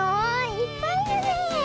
いっぱいいるねえ。